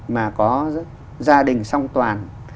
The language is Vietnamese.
mà có gia đình song toàn